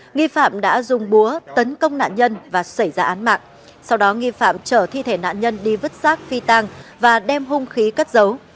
nghi phạm đã dùng búa tấn công nạn nhân và xảy ra án mạng sau đó nghi phạm trở thi thể nạn nhân đi vứt xác phi tàng và đem hung khí cất dấu